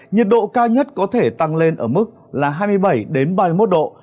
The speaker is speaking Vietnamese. nhiệt độ cao nhất có thể tăng lên ở mức là hai mươi bảy ba mươi một độ